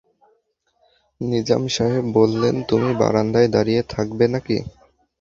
নিজাম সাহেব বললেন, তুমি বারান্দায় দাঁড়িয়ে থাকবে নাকি?